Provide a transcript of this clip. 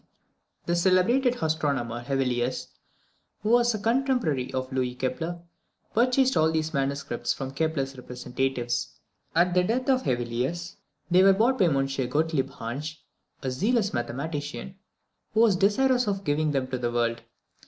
The celebrated astronomer Hevelius, who was a cotemporary of Louis Kepler, purchased all these manuscripts from Kepler's representatives. At the death of Hevelius they were bought by M. Gottlieb Hansch, a zealous mathematician, who was desirous of giving them to the world.